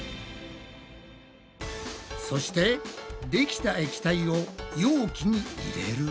そしてできた液体を容器に入れる。